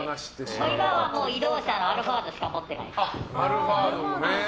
今は移動車のアルファードしか持ってない。